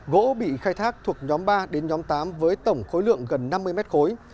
gỗ bị khai thác thuộc nhóm ba đến nhóm tám với tổng khối lượng gần năm mươi mét khối